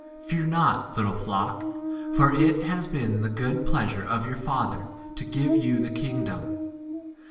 Fear not, little n flock, for it has been the good pleasure of your Father to give you the king 33 dom.